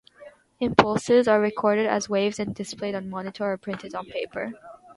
Impulses are recorded as waves and displayed on a monitor or printed on paper.